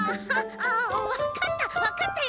あわかった！